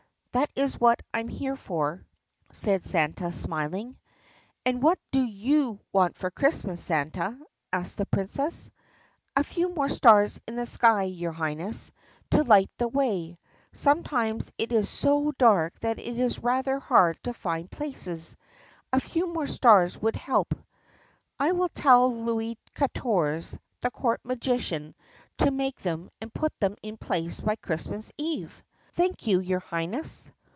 "That is what I am here for," said Santa smiling. "And what do you want for Christmas, Santa?" asked the Princess. "A few more stars in the sky, your Highness, to light the way. Sometimes it is so dark it is rather hard to find places. A few more stars would help." "I will tell Louis Katorze, the court magician, to make them and put them in place by Christmas Eve." "Thank you, your Highness."